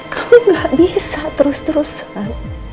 kamu gak bisa terus terusan